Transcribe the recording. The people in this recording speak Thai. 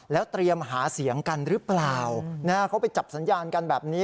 แล้วเตรียมหาเสียงกันหรือเปล่าเขาไปจับสัญญาณกันแบบนี้